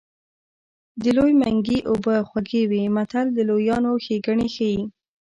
د لوی منګي اوبه خوږې وي متل د لویانو ښېګڼې ښيي